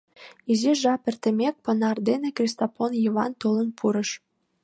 Изиш жап эртымек, понар дене Кристопон Йыван толын пурыш.